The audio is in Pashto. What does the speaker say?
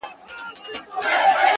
څوك به ژاړي په كېږديو كي نكلونه٫